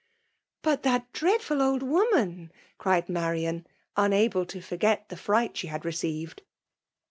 " But that dreadful old woman !'* cried Ma rian, unable to forget the fright she had re ceived.